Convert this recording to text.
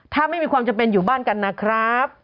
ถ้าไม่มีความจำเป็นอยู่บ้านกันนะครับ